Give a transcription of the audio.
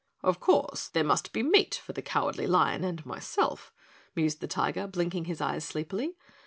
"Of course, there must be meat for the Cowardly Lion and myself," mused the Tiger, blinking his eyes sleepily.